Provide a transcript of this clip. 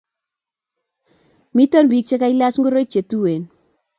Miten Pik che kalaj ngoroik che tuen .